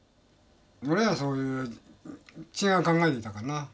俺はそういう違う考えでいたからな。